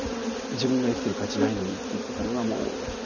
自分が生きてる価値ないのにって言ってたのがもう。